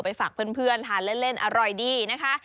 ฝากเพื่อนทานเล่นอร่อยดีนะคะ